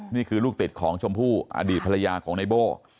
นี่คือลูกติดของชมพู่อดีตภรรยาของในโบ้